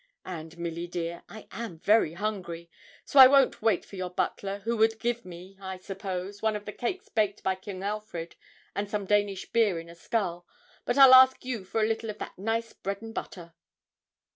And, Milly dear, I am very hungry, so I won't wait for your butler, who would give me, I suppose, one of the cakes baked by King Alfred, and some Danish beer in a skull; but I'll ask you for a little of that nice bread and butter.'